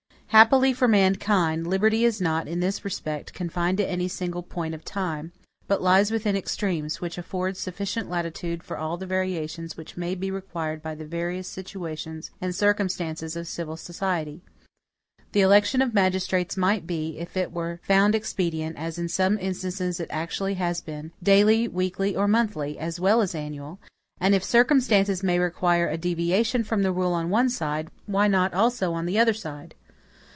Happily for mankind, liberty is not, in this respect, confined to any single point of time; but lies within extremes, which afford sufficient latitude for all the variations which may be required by the various situations and circumstances of civil society. The election of magistrates might be, if it were found expedient, as in some instances it actually has been, daily, weekly, or monthly, as well as annual; and if circumstances may require a deviation from the rule on one side, why not also on the other side?